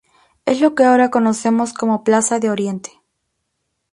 Es lo que ahora conocemos como plaza de Oriente.